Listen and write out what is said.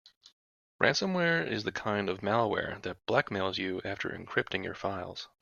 Ransomware is the kind of malware that blackmails you after encrypting your files.